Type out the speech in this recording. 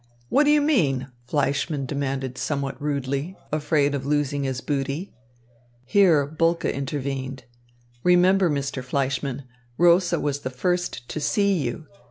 What do you mean?" Fleischmann demanded somewhat rudely, afraid of losing his booty. Here Bulke intervened. "Remember, Mr. Fleischmann, Rosa was the first to see you.